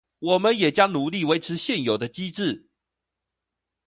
我們也將努力維持現有的機制